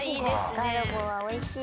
ガルボはおいしい。